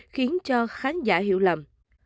khiến cho khán giả hiểu lầm